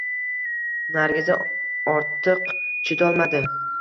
Nargiza ortiq chidolmadi